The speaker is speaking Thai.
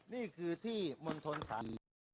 นี่คือที่มณฑนสามารถ